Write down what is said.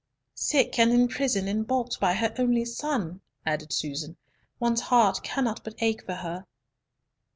"Sick and in prison, and balked by her only son," added Susan, "one's heart cannot but ache for her."